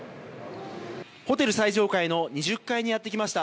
ホテル最上階の２０階にやって来ました。